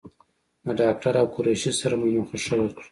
د ډاکټر او قریشي سره مو مخه ښه وکړه.